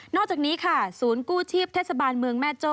อกจากนี้ค่ะศูนย์กู้ชีพเทศบาลเมืองแม่โจ้